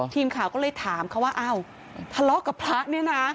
ทีมข่าวก็เลยถามเขาว่าอ้าวทะเลาะกับพระเนี่ยนะ